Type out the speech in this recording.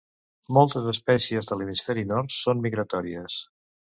Moltes espècies de l'hemisferi nord són migratòries.